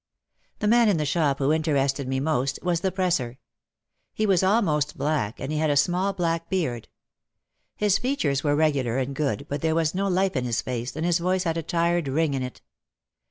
The man in the shop who interested me most was the presser. He was almost black and he had a small black beard. His features were regular and good but there was no life in his face and his voice had a tired ring in it.